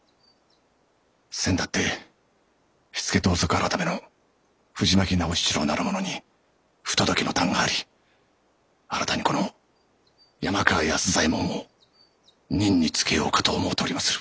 せんだって火付盗賊改の藤巻直七郎なる者に不届きの段があり新たにこの山川安左衛門を任に就けようかと思うておりまする。